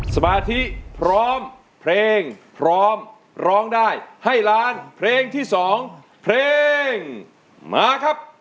สมาธิพร้อมเพลงพร้อมร้องได้ให้ล้านเพลงที่๒เพลงมาครับ